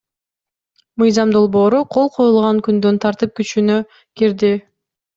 Мыйзам долбоору кол коюлган күндөн тартып күчүнө кирди.